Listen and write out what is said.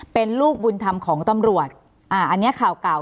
เป็นลูกบุญธรรมของตำรวจอ่าอันนี้ข่าวเก่า